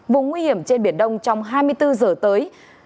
vùng nguy hiểm trên biển đông trong hai mươi bốn giờ tới